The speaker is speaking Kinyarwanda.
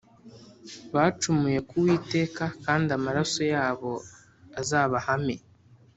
Bacumuye k’Uwiteka kandi amaraso yabo azabahame